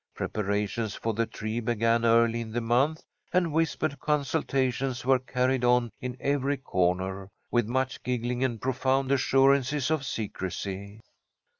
Preparations for the tree began early in the month, and whispered consultations were carried on in every corner, with much giggling and profound assurances of secrecy.